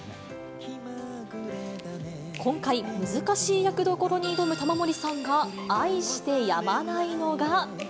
今回、難しい役どころに挑む玉森さんが、愛してやまないのが。